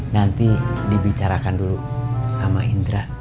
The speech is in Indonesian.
nanti dibicarakan dulu sama indra